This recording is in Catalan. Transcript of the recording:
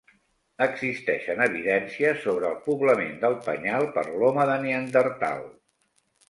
Existeixen evidències sobre el poblament del penyal per l'home de Neandertal.